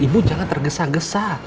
ibu jangan tergesa gesa